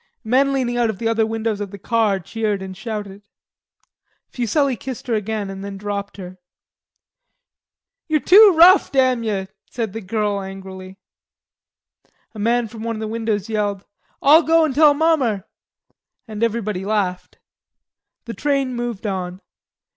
Men leaning out of the other windows of the car cheered and shouted. Fuselli kissed her again and then dropped her. "Ye're too rough, damn ye," said the girl angrily. A man from one of the windows yelled, "I'll go an' tell mommer"; and everybody laughed. The train moved on.